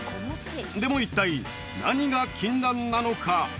でも一体何が禁断なのか？